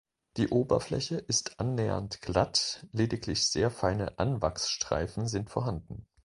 Die Oberfläche ist annähernd glatt, lediglich sehr feine Anwachsstreifen sind vorhanden.